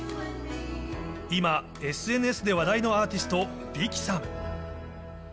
今、ＳＮＳで話題のアーティスト、ヴィキさん。